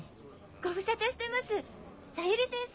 ごぶさたしてます小百合先生